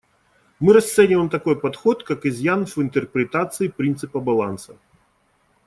Мы расцениваем такой подход как изъян в интерпретации принципа баланса.